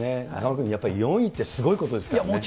中丸君、やっぱり４位って、すごいことですからね。